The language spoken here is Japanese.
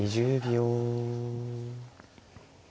２０秒。